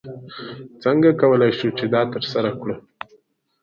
څنګه کولی شو چې دا ترسره کړو؟